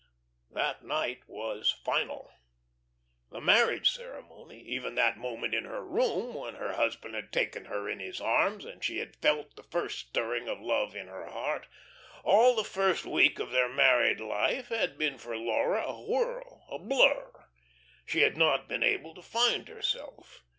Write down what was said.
That night was final. The marriage ceremony, even that moment in her room, when her husband had taken her in his arms and she had felt the first stirring of love in her heart, all the first week of their married life had been for Laura a whirl, a blur. She had not been able to find herself.